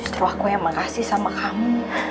justru aku yang mengasih sama kamu